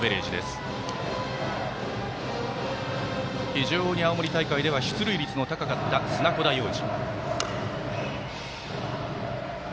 非常に青森大会では出塁率の高かった砂子田陽士。